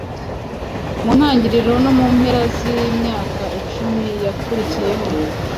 mu ntangiriro no Mu mpera zimyaka icumi yakurikiyeho